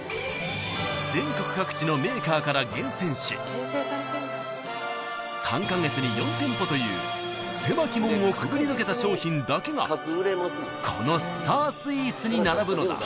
［全国各地のメーカーから厳選し３カ月に４店舗という狭き門をくぐり抜けた商品だけがこのスタースイーツに並ぶのだ］